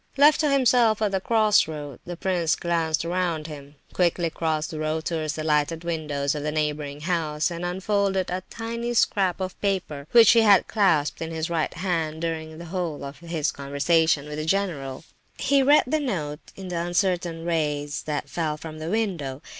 Left to himself at the cross roads, the prince glanced around him, quickly crossed the road towards the lighted window of a neighbouring house, and unfolded a tiny scrap of paper which he had held clasped in his right hand during the whole of his conversation with the general. He read the note in the uncertain rays that fell from the window.